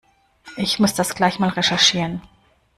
Ich muss das gleich mal recherchieren.